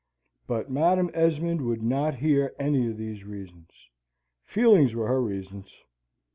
But Madam Esmond would not hear any of these reasons. Feelings were her reasons.